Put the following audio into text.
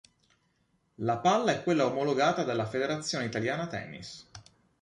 La palla è quella omologata dalla Federazione Italiana Tennis.